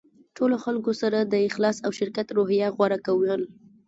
د ټولو خلکو سره د اخلاص او شراکت روحیه غوره کول.